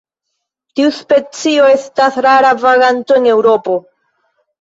Tiu specio estas rara vaganto en Eŭropo.